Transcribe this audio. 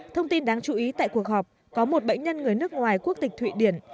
thông tin đáng chú ý tại cuộc họp có một bệnh nhân người nước ngoài quốc tịch thụy điển